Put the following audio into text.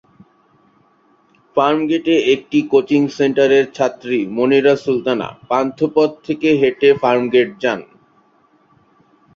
ফার্মগেটে একটি কোচিং সেন্টারের ছাত্রী মনিরা সুলতানা পান্থপথ থেকে হেঁটে ফার্মগেট যান।